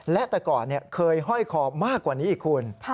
และแต่ก่อนเคยห้อยคอมากกว่านี้อีกคุณ